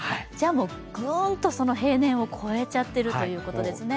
もう、ぐーんと平年を超えちゃってるということですね。